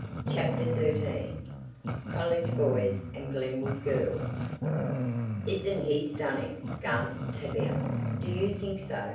CHAPTER XIII COLLEGE BOYS AND GLENWOOD GIRLS "Isn't he stunning!" gasped Tavia. "Do you think so?